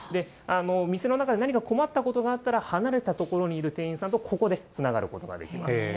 店の中で何か困ったことがあったら、離れた所にいる店員さんと、ここでつながることができます。